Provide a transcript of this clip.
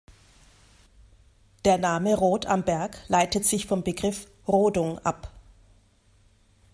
Der Name Rod am Berg leitet sich vom Begriff Rodung ab.